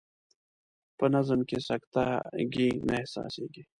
په نظم کې سکته ګي نه احساسیږي.